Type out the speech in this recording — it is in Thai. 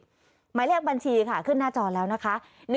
หมายเลขบัญชีค่ะขึ้นหน้าจอแล้วนะคะ